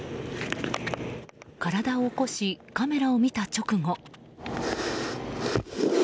体を起こし、カメラを見た直後。